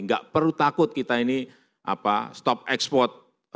enggak perlu takut kita ini stop export